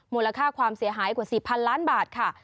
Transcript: มูลค่าความเสียหายกว่า๔๐๐๐ล้านบาทค่ะ